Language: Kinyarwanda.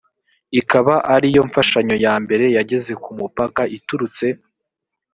ikaba ari yo mfashanyo ya mbere yageze ku mupaka iturutse